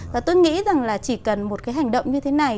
và tôi nghĩ rằng là chỉ cần một cái hành động như thế này